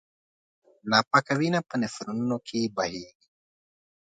ناپاکه وینه په نفرونونو کې بهېږي.